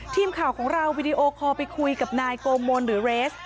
ทีมข่าวของเราวิดีโอคอลไปคุยกับนายโกมนหรือเรส